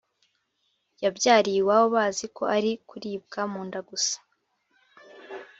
Yabyariye iwabo baziko ari kuribwa munda gusa